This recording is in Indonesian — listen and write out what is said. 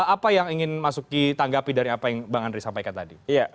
apa yang ingin masuk ditanggapi dari apa yang bang andri sampaikan tadi